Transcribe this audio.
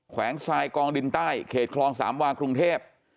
วงทรายกองดินใต้เขตคลองสามวากรุงเทพ